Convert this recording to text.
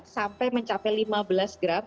sampai mencapai lima belas gram